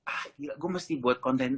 ah gila gue mesti buat konsumen ya kan